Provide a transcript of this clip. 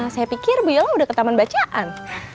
saya pikir bu yola udah ke taman bacaan